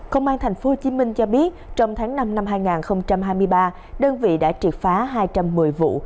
công an tp hcm cho biết trong tháng năm năm hai nghìn hai mươi ba đơn vị đã triệt phá hai trăm một mươi vụ